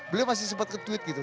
belum masih sempat ketweet gitu